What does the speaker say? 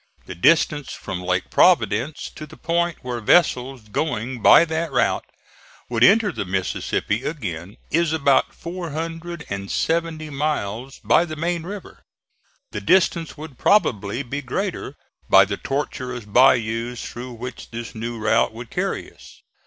The distance from Lake Providence to the point where vessels going by that route would enter the Mississippi again, is about four hundred and seventy miles by the main river. The distance would probably be greater by the tortuous bayous through which this new route would carry us.